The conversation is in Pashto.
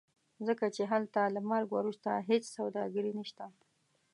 ځکه چې هلته له مرګ وروسته هېڅ سوداګري نشته.